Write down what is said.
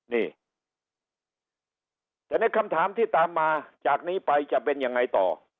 นี่แต่ในคำถามที่ตามมาจากนี้ไปจะเป็นยังไงต่อ